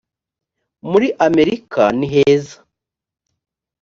muri amerika niheza